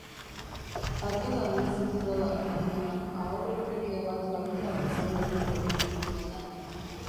Argi dago ezin dudala, baina ahoberokeria bat lagungarri izan daiteke momentu honetan.